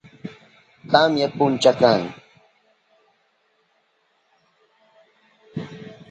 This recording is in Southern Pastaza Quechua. Tamya puncha kan.